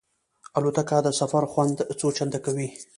الوتکه د سفر خوند څو چنده کوي.